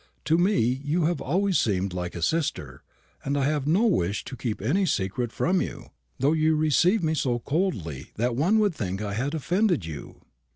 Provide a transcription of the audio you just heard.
To me you have always seemed like a sister, and I have no wish to keep any secret from you, though you receive me so coldly that one would think I had offended you."